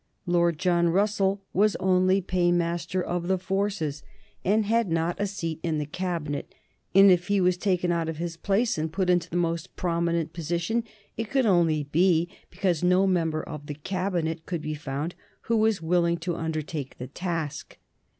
Lord John Russell was only Paymaster of the Forces, and had not a seat in the Cabinet, and if he was taken out of his place and put into the most prominent position it could only be because no member of the Cabinet could be found who was willing to undertake the task.